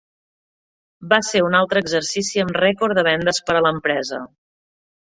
Va ser un altre exercici amb rècord de vendes per a l'empresa.